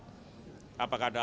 hai apakah ada